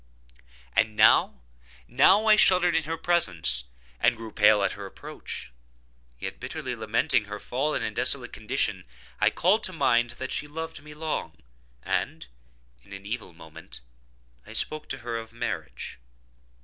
And now—now I shuddered in her presence, and grew pale at her approach; yet, bitterly lamenting her fallen and desolate condition, I called to mind that she had loved me long, and, in an evil moment, I spoke to her of marriage.